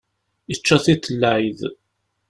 Ičča tiṭ n lɛid.